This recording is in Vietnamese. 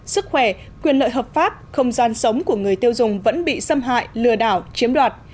sức khỏe quyền lợi hợp pháp không gian sống của người tiêu dùng vẫn bị xâm hại lừa đảo chiếm đoạt